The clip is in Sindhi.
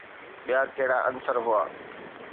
ٻيا ڪهڙا عنصر هئا؟